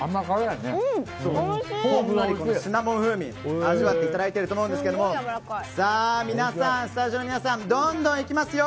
ほんのりシナモン風味を味わっていただいていると思うんですけどスタジオの皆さんどんどんいきますよ。